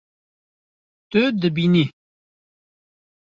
Tu dibînî